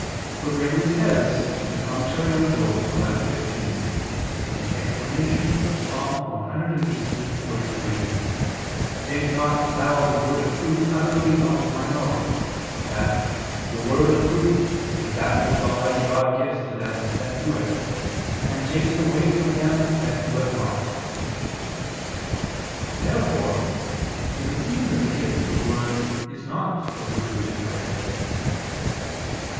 For Gregory says (Moral. xi, 15) in explanation of Ps. 118:43, "Take not Thou the word of truth utterly out of my mouth" that "the word of truth is that which Almighty God gives to them that do it, and takes away from them that do it not." Therefore it would seem that the gift of the word is not a gratuitous grace.